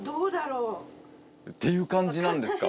っていう感じなんですか。